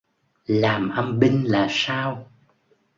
Làm âm binh là sao